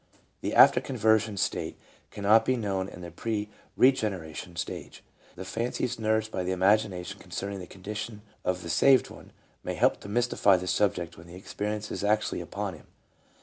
The after conversion state cannot be known in the pre regeneration stage ; the fancies nourished by the imagination concerning the condition of the "saved one," may help to mystify the subject when the experience is actually upon him.